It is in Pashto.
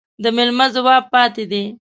د ميلمه جواب پاتى دى.